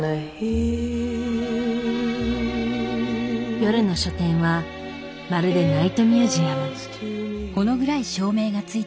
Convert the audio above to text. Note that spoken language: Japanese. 夜の書店はまるでナイトミュージアム。